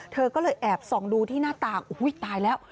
เธอก็เลยแอบส่องดูที่หน้าต่างตายแล้ว